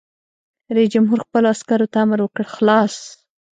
رئیس جمهور خپلو عسکرو ته امر وکړ؛ خلاص!